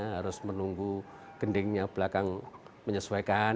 harus menunggu gendingnya belakang menyesuaikan